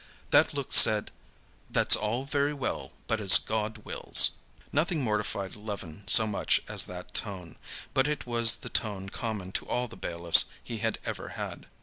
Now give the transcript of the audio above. That look said: "That's all very well, but as God wills." Nothing mortified Levin so much as that tone. But it was the tone common to all the bailiffs he had ever had.